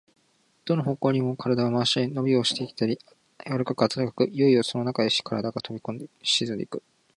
どの方向にも身体を廻したり、のびをしたりでき、柔かく暖かく、いよいよそのなかへ身体が沈んでいく。